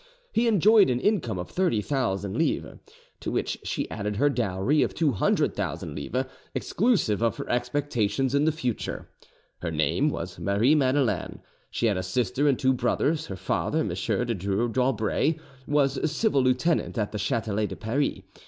He enjoyed an income of 30,000 livres, to which she added her dowry of 200,000 livres, exclusive of her expectations in the future. Her name was Marie Madeleine; she had a sister and two brothers: her father, M. de Dreux d'Aubray; was civil lieutenant at the Chatelet de Paris.